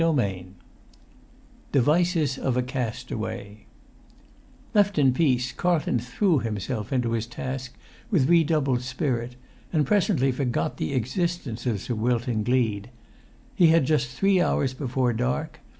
[Pg 131] XIII DEVICES OF A CASTAWAY Left in peace, Carlton threw himself into his task with redoubled spirit, and presently forgot the existence of Sir Wilton Gleed. He had just three hours before dark.